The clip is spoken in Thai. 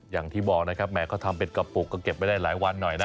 อย่างที่บอกนะครับแหมเขาทำเป็นกระปุกก็เก็บไว้ได้หลายวันหน่อยนะ